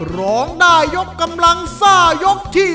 ร้องได้ยกกำลังซ่ายกที่๑